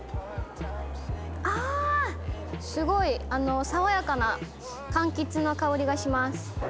あすごい爽やかなかんきつの香りがします。